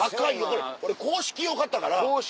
これ硬式用買ったから。